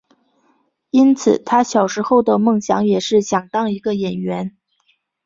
因此他小时候的梦想也是想当一个演员。